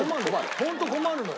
ホント困るのよ。